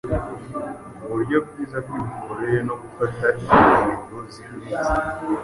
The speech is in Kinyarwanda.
uburyo bwiza bw’imikorere no gufata intego zihanitse.